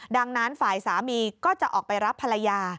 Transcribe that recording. ดังนั้นฝ่ายสามีก็จะออกไปรับภรรยา